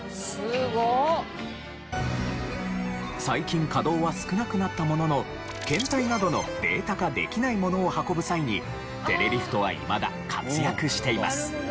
最近稼働は少なくなったものの検体などのデータ化できないものを運ぶ際にテレリフトはいまだ活躍しています。